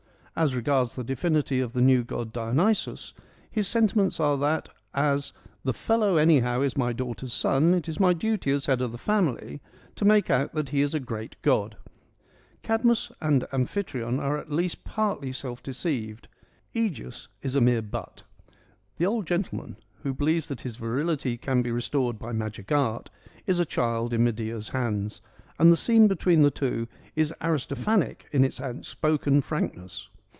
As regards the divinity of the new god Dionysus, his sentiments are that, as ' The fellow anyhow is my daughter's son : it is my duty as head of the family to make out that he is a great god '. Cadmus and Amphitryon are at least partly self deceived ; ^Egeus is a mere butt. The old gentleman, who believes that his virility can be restored by magic art, is a child in Medea's hands, and the scene between the two is Aristophanic in its outspoken frankness.